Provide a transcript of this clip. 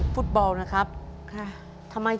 ฟุตบอลค่ะ